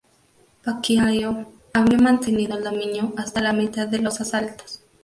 Pacquiao había mantenido el dominio hasta la mitad de los asaltos.